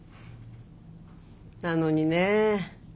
なのにねえ